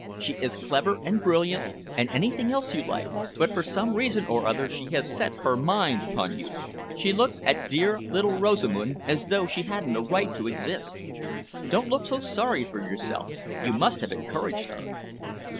She is clever and brilliant and anything else you like, but for some reason or other she has set her mind upon you. She looks at dear little Rosamund as though she hadn't a right to exist. Don't look so sorry for yourself. You must have encouraged her."